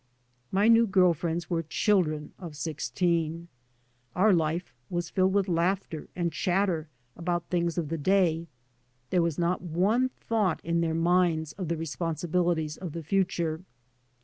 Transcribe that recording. My new g^rl friends were children of sixteen. Our life was filled with laughter and chatter about things of the day; there was not one thought in their minds of the responsibilities of the future.